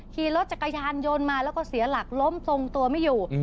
ขี่รถจักรยานยนต์มาแล้วก็เสียหลักล้มทรงตัวไม่อยู่